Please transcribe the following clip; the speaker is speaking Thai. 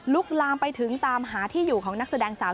ลามไปถึงตามหาที่อยู่ของนักแสดงสาว